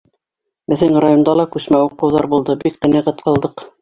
Беҙҙең районда ла күсмә уҡыуҙар булды — бик ҡәнәғәт ҡалдыҡ.